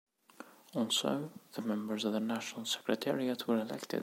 Also, the members of the National Secretariat were elected.